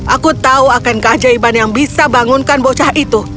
aku tahu akan keajaiban yang bisa bangunkan bocah itu